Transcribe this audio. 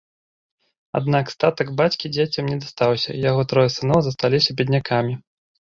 Аднак статак бацькі дзецям не дастаўся, і яго трое сыноў засталіся беднякамі.